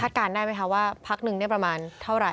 ทัดการณ์ได้ไหมคะว่าพักหนึ่งเนี่ยประมาณเท่าไร